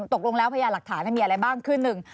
ตกลงแล้วพญาหลักฐานมีอะไรบ้าง